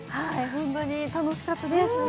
本当に楽しかったです。